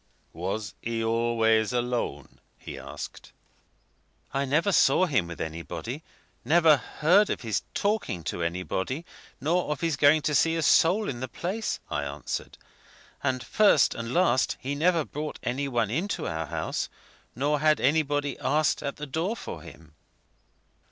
"Was he always alone?" he asked. "I never saw him with anybody, never heard of his talking to anybody, nor of his going to see a soul in the place," I answered; "and first and last, he never brought any one into our house, nor had anybody asked at the door for him."